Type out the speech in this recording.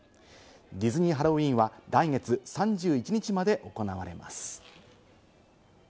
ディズニー・ハロウィーンは来月３１日まで行われます。